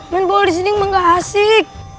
mainin ball disini emang gak asik